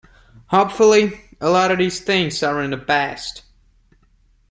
Hopefully, a lot of these things are in the past.